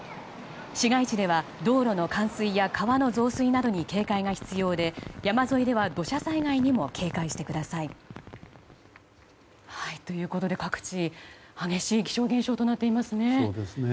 市街地では道路の冠水や川の増水などに警戒が必要で山沿いでは土砂災害にも警戒してください。ということで、各地激しい気象現象となってますね。